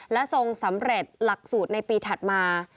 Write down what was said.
และทรงสำเร็จหลักสูตรในปีถัดมา